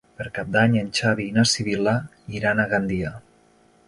Per Cap d'Any en Xavi i na Sibil·la iran a Gandia.